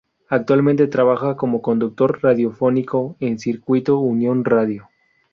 Actualmente trabaja como conductor radiofónico en Circuito Unión Radio.